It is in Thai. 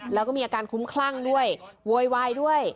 แล้วก็มีอาการคุ้มคลั่งด้วยโวยวายด้วย